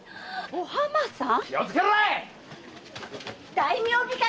お浜さん！